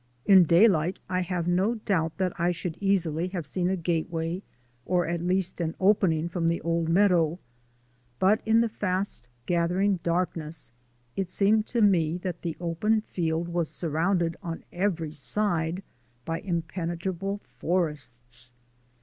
In daylight I have no doubt that I should easily have seen a gateway or at least an opening from the old meadow, but in the fast gathering darkness it seemed to me that the open field was surrounded on every side by impenetrable forests.